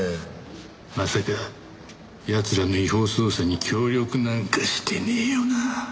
まさか奴らの違法捜査に協力なんかしてねえよな？